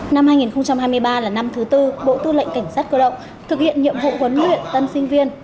năm hai nghìn hai mươi ba là năm thứ tư bộ tư lệnh cảnh sát cơ động thực hiện nhiệm vụ huấn luyện tân sinh viên